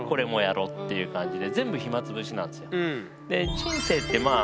人生ってまあ